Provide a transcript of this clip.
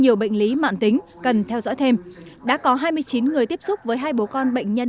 nhiều bệnh lý mạng tính cần theo dõi thêm đã có hai mươi chín người tiếp xúc với hai bố con bệnh nhân